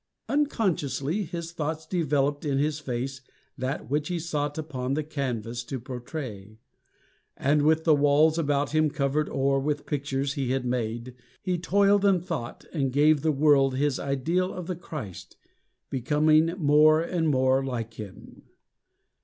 Unconsciously His thoughts developed in his face that which He sought upon the canvas to portray; And with the walls about him covered o'er With pictures he had made, he toiled and thought And gave the world his ideal of the Christ, Becoming more and more like him.